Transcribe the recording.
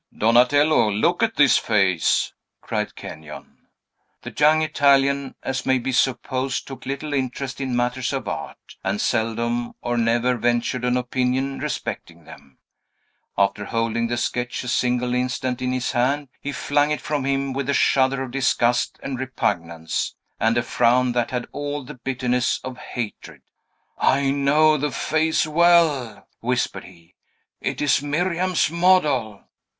"Donatello, look at this face!" cried Kenyon. The young Italian, as may be supposed, took little interest in matters of art, and seldom or never ventured an opinion respecting them. After holding the sketch a single instant in his hand, he flung it from him with a shudder of disgust and repugnance, and a frown that had all the bitterness of hatred. "I know the face well!" whispered he. "It is Miriam's model!"